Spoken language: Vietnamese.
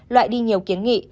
loại đi nhiều kiến nghị